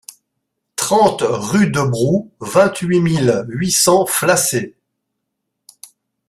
trente rue de Brou, vingt-huit mille huit cents Flacey